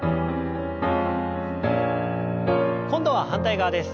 今度は反対側です。